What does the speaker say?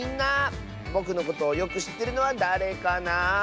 ぼくのことをよくしってるのはだれかなあ。